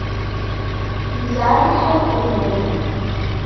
Yesεa rriḥa ufennan.